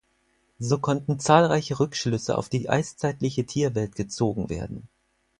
So konnten zahlreiche Rückschlüsse auf die eiszeitliche Tierwelt gezogen werden.